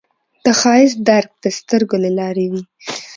د ښایست درک د سترګو له لارې وي